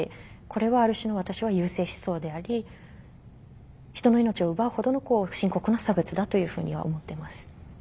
これはある種の私は優生思想であり人の命を奪うほどの深刻な差別だというふうには思ってます。